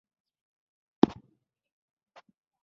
دوې مشابه ټولنې هم په ورته ډول جلا کېږي.